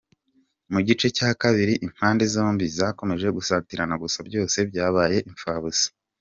Mu gice cya kabiri impande zombi zakomeje gusatirana gusa byose byabaye imfabusa.